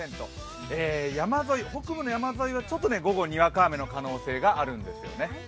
北部の山沿いは午後にわか雨の可能性があるんですね。